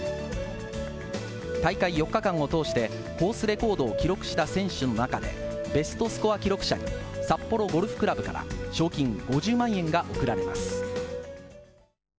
大会４日間を通してコースレコードを記録した選手の中で、ベストスコア記録者に札幌ゴルフ倶楽部から賞金５０万円が贈られます。